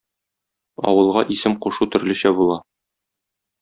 Авылга исем кушу төрлечә була.